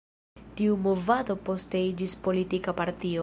Tiu movado poste iĝis politika partio.